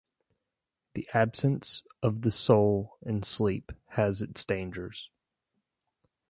The absence of the soul in sleep has its dangers.